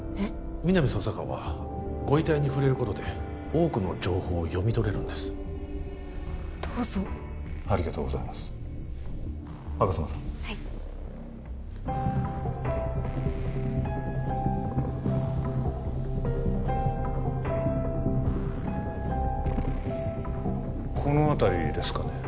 皆実捜査官はご遺体に触れることで多くの情報を読み取れるんですどうぞありがとうございます吾妻さんはいこの辺りですかね